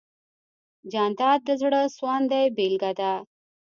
جانداد د زړه سواندۍ بېلګه ده.